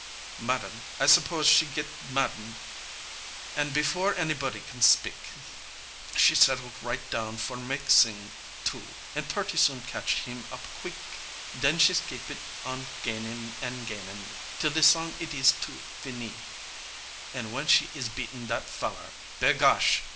Ma dam, I s'pose she get mad den, an' before anyboddy can spik, She settle right down for mak' sing too, an' purty soon ketch heem up quick, Den she's kip it on gainin' an' gainin', till de song it is tout finis, An' w'en she is beatin' dat feller, Bagosh!